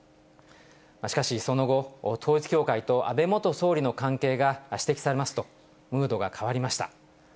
しかし、その後、統一教会と安倍元総理の関係が指摘されますと、ムードが変わりました。